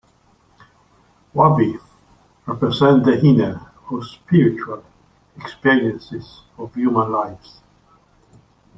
"Wabi" represents the inner, or spiritual, experiences of human lives.